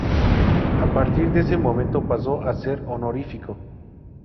A partir de ese momento pasó a ser honorífico.